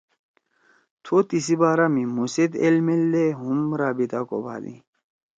تھو تیسی بارا می مھو سیت ایل میلدے ہُم رابطہ کوبھادی۔